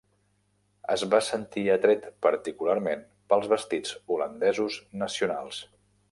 Es va sentir atret particularment pels vestits holandesos nacionals.